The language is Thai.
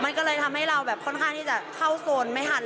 มันก็เลยทำให้เราแบบค่อนข้างที่จะเข้าโซนไม่ทัน